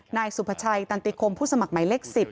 นายสุภาชัยตันติคมผู้สมัครหมายเลข๑๐